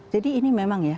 jadi ini memang ya